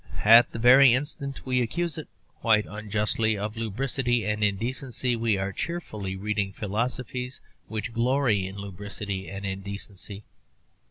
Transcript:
At the very instant we accuse it (quite unjustly) of lubricity and indecency, we are cheerfully reading philosophies which glory in lubricity and indecency.